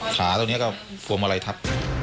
ข่าตัวเนี่ยก็ฃวมมาลัยทัพ